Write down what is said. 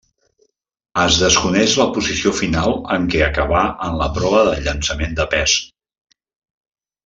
Es desconeix la posició final en què acabà en la prova del llançament de pes.